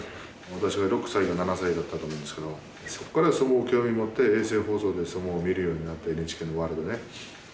私が６歳か７歳だったと思うんですけどそこから相撲興味持って衛星放送で相撲を見るようになってＮＨＫのワールドでね。